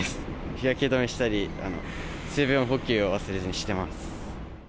日焼け止めしたり、水分補給を忘れずにしてます。